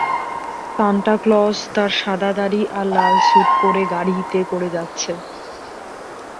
Santa Claus তার সাদা দাড়ি আর লাল স্যুট পরে গাড়িতে করে যাচ্ছে।